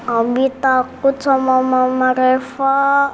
abi takut sama mama reva